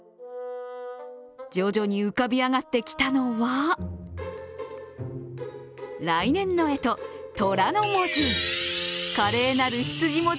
徐々に浮かび上がってきたのは来年のえと、とらの文字。